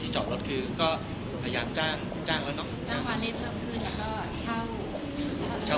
จอบรถคือก็พยายามจ้างจ้างจ้างวาเลเตอร์พื้นแล้วก็เช่าเช่า